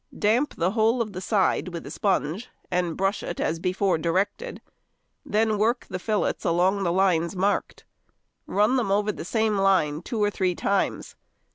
Damp the whole of the side with a sponge, and brush it as before directed; then work the fillets along the lines marked. Run them over the same line two or three times.